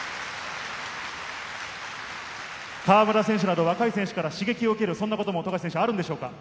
河村選手など若い選手から刺激を受ける、そんなこともあるんでしょうか？